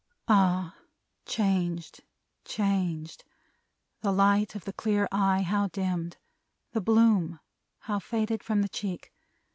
Ah! Changed. Changed. The light of the clear eye, how dimmed. The bloom, how faded from the cheek.